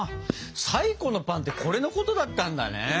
「最古のパン」ってこれのことだったんだね！